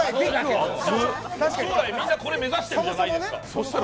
将来、みんなこれ目指してるんじゃないですか。